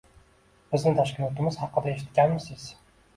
Bizni tashkilotimiz haqida eshitganmisiz?